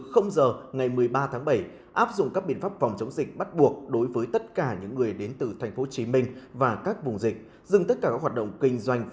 không ít người đã phải ra về trong nước mắt hơn tôi